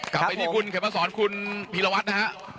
กลับไปที่คุณเข็มมาสอนคุณพีรวัตรนะฮะ